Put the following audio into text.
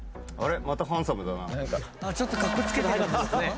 ちょっとかっこつけてる。